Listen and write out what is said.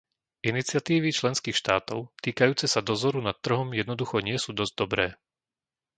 Iniciatívy členských štátov týkajúce sa dozoru nad trhom jednoducho nie sú dosť dobré.